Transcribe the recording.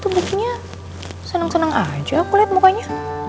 tuh bukunya seneng seneng aja aku liat mukanya